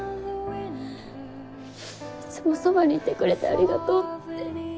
「いつもそばにいてくれてありがとう」って。